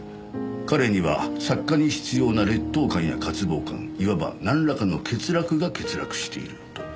「彼には作家に必要な劣等感や渇望感いわば何らかの欠落が欠落している」と。